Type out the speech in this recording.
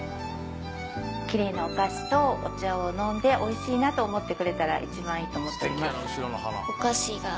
きれいなお菓子とお茶を飲んでおいしいなと思ってくれたらいちばんいいと思っています。